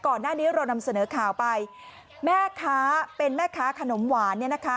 ก่อนหน้านี้เรานำเสนอข่าวไปแม่ค้าเป็นแม่ค้าขนมหวานเนี่ยนะคะ